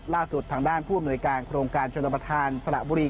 ล่าสุดทางด้านผู้อำนวยการโครงการชนประธานสระบุรี